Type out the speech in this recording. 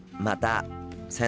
また！